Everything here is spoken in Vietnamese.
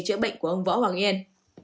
chữa bệnh của ông võ hoàng yên